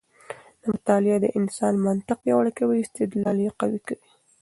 مطالعه د انسان منطق پیاوړی کوي او استدلال یې قوي کوي.